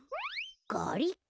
ガリック？